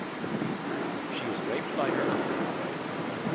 She was raped by her uncle.